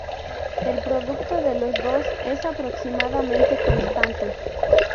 El producto de los dos es aproximadamente constante.